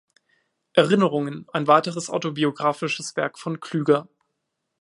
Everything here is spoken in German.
Erinnerungen" ein weiteres autobiographisches Werk von Klüger.